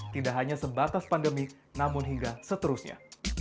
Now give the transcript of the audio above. tidak hanya sebatas pandemi namun hingga seterusnya